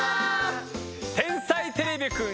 「天才てれびくん」